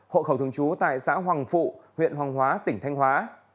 hộ khẩu thường trú tại xã hoàng phụ huyện hoàng hóa tỉnh thanh hóa